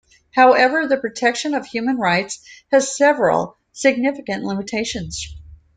However, the protection of human rights has several significant limitations.